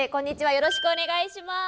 よろしくお願いします！